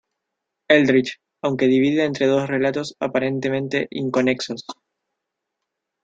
Eldritch, aunque dividida entre dos relatos aparentemente inconexos.